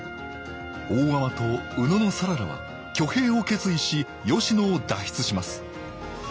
大海人と野讃良は挙兵を決意し吉野を脱出します。